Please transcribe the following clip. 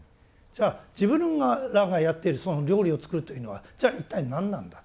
じゃあ自分らがやっているその料理を作るというのはじゃあ一体何なんだ。